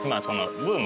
ブーム？